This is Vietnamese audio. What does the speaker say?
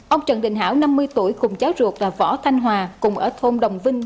ông trần đình hảo năm mươi tuổi cùng cháu ruột và võ thanh hòa cùng ở thôn đồng vinh